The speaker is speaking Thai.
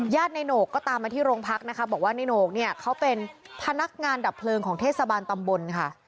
ในโหนกก็ตามมาที่โรงพักนะคะบอกว่าในโหนกเนี่ยเขาเป็นพนักงานดับเพลิงของเทศบาลตำบลค่ะ